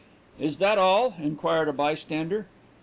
"'Is that all?' inquired a bystander.